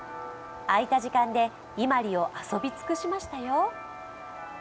空いた時間で伊万里を遊び尽くしましたよ。